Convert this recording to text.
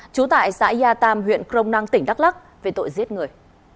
trú tại xã yà tam huyện crong nang tỉnh đắk lắc về tội giết người